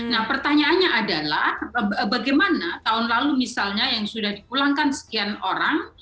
nah pertanyaannya adalah bagaimana tahun lalu misalnya yang sudah dipulangkan sekian orang